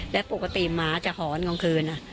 และปกติหมาจะหอนกลางคืน